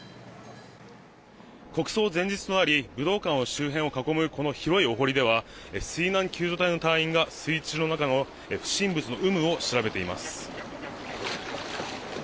国葬前日となり武道館周辺を囲むこの広いお濠では水難救助隊の隊員が水中の不審物の有無を調べています。